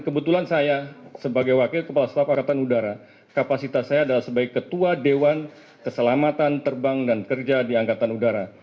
kebetulan saya sebagai wakil kepala staf angkatan udara kapasitas saya adalah sebagai ketua dewan keselamatan terbang dan kerja di angkatan udara